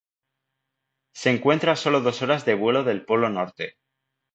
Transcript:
Se encuentra a sólo dos horas de vuelo del Polo Norte.